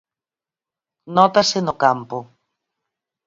Nótase no campo.